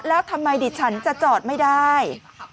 แล้วทำไมดิฉันจะจอดไม่ได้